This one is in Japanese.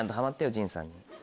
陣さんに。